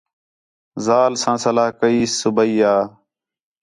ذال سا صلاح کئیس صُبیح آں